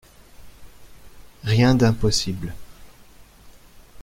Rien d'impossible